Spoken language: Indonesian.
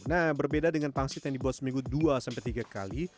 nah berbeda dengan pangsit yang dibuat seminggu dua sampai tiga kali